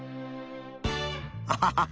アハハハ！